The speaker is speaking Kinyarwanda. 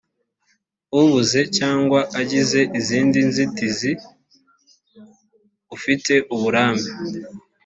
abuze cyangwa agize izindi nzitizi ufite uburambe